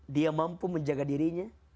dia mampu menjaga dirinya